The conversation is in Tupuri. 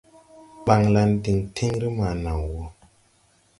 Ɓanlan diŋ tiŋri ma naw wɔ.